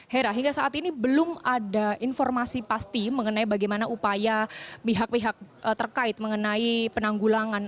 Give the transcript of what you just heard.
hera hingga saat ini belum ada informasi pasti mengenai bagaimana upaya pihak pihak terkait mengenai penanggulangan